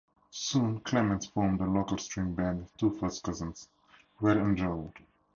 Soon, Clements formed a local string band with two first cousins, Red and Gerald.